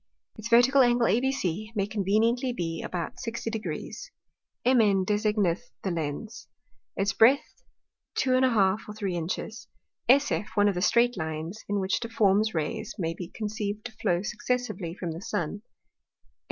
Its vertical Angle ABC may conveniently be about 60 Degrees: MN designeth the Lens. Its breadth 2½ or 3 Inches. SF one of the streight Lines, in which difform Rays may be conceived to flow successively from the Sun.